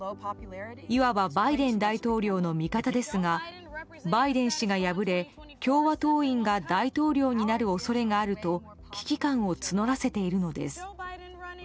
いわばバイデン大統領の味方ですがバイデン氏が敗れ共和党員が大統領になる恐れがあると危機感を募らせているのです。